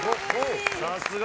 さすが。